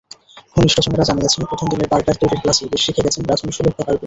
ঘনিষ্ঠজনেরা জানিয়েছেন, প্রথম দিনের বার্গার তৈরির ক্লাসেই বেশ শিখে গেছেন রাঁধুনিসুলভ ব্যাপারগুলো।